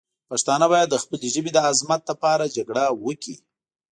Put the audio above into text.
پښتانه باید د خپلې ژبې د عظمت لپاره جګړه وکړي.